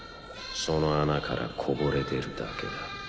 その穴からこぼれ出るだけだ。